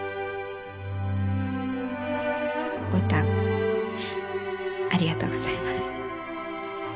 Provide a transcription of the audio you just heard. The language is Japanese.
牡丹ありがとうございます。